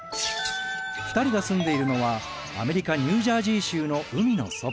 ２人が住んでいるのはアメリカ・ニュージャージー州の海のそば。